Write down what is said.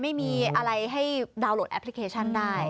ไม่มีอะไรให้ดาวน์โหลดแอปพลิเคชันได้